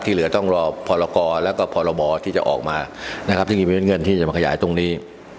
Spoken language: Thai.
เหลือต้องรอพรกรแล้วก็พรบที่จะออกมานะครับที่มีเงินที่จะมาขยายตรงนี้